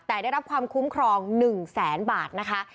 แต่ได้รับความคุ้มครอง๑แสนบาทนะคะ